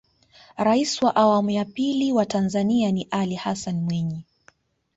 rais wa awamu ya pili wa tanzania ni alli hassan mwinyi